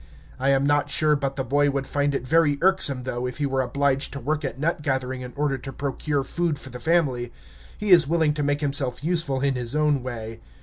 I am not sure but the boy would find it very irksome, though, if he were obliged to work at nut gathering in order to procure food for the family. He is willing to make himself useful in his own way.